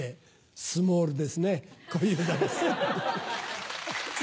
スモールですね小遊三です。